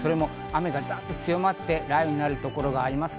雨がざっと強まって雷雨になるところがあります。